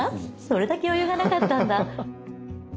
それだけ余裕がなかったんだ。